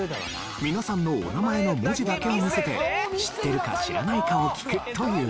皆さんのお名前の文字だけを見せて知っているか知らないかを聞くというもの。